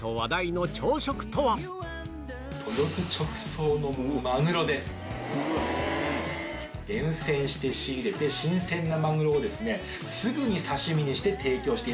それがここ厳選して仕入れて新鮮なマグロをすぐに刺し身にして提供してる。